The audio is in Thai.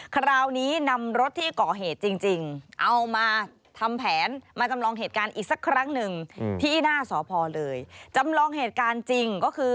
คราวนี้นำรถที่ก่อเหตุจริง